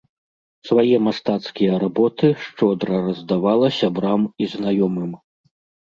Свае мастацкія работы шчодра раздавала сябрам і знаёмым.